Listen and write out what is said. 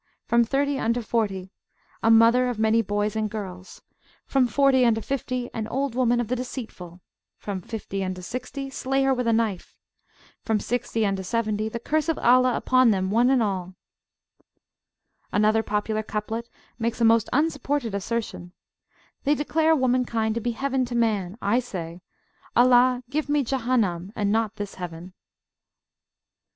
From 30 unto 40, A mother of many boys and girls. From 40 unto 50, An old woman of the deceitful. From 50 unto 60, Slay her with a knife. From 60 unto 70, The curse of Allah upon them, one and all! Another popular couplet makes a most unsupported assertion: They declare womankind to be heaven to man, I say, Allah, give me Jahannam, and not this heaven.